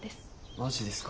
マジですか？